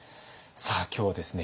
さあ今日はですね